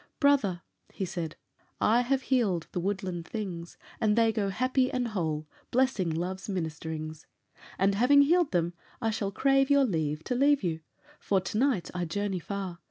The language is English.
"Brother," he said, "I have healed the woodland things And they go happy and whole blessing Love's ministerings, "And, having healed them, I shall crave your leave To leave you for to night I journey far.